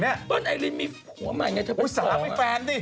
บ๊วยเบิ้ลไอรีนมีหัวใหม่อีกเธอเป็นตองมีสามีแฟนดิ